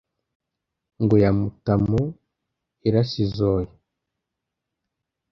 Ngo ya Mutamu yarasizoye